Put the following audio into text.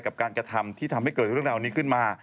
กับการกระทำที่ทำให้เกิดเรื่องราวนี้ขึ้นมา